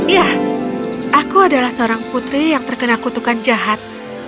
ya aku adalah seorang putri yang terkena kutukan jahat